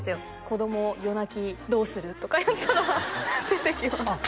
「子ども夜泣きどうする？」とかやったら出てきます